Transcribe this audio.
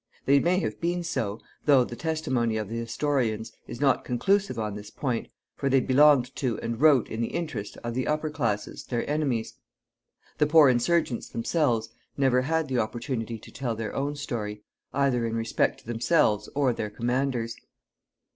They may have been so, though the testimony of the historians is not conclusive on this point, for they belonged to, and wrote in the interest of the upper classes, their enemies. The poor insurgents themselves never had the opportunity to tell their own story, either in respect to themselves or their commanders.